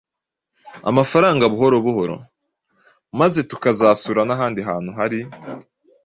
amafaranga buhorobuhoro, maze tukazasura n’ahandi hantu hari